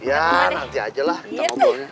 ya nanti aja lah kita ngobrolin